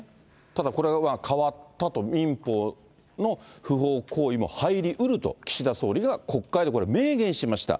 ただこれは変わったと、民法の不法行為も入りうると、岸田総理が国会で明言しました。